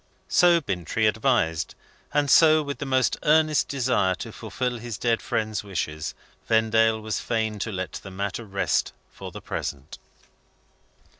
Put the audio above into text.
So Bintrey advised. And so, with the most earnest desire to fulfil his dead friend's wishes, Vendale was fain to let the matter rest for the present.